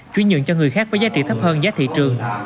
chuyên nhận cho người khác với giá trị thấp hơn giá thị trường